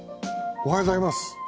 おはようございます。